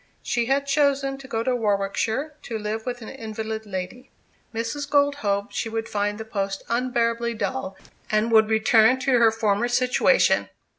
She had chosen to go to Warwickshire, to live with an invalid lady. Mrs. Gold hoped she would find the post unbearably dull, and return to her former situation.